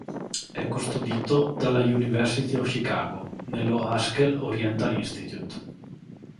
È custodito dalla "University of Chicago", nello "Haskell Oriental Institute".